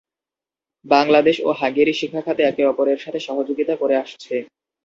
বাংলাদেশ ও হাঙ্গেরি শিক্ষা খাতে একে অপরের সাথে সহযোগিতা করে আসছে।